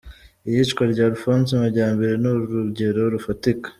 Iyicwa rya Alphonse Majyambere ni urugero rufatika.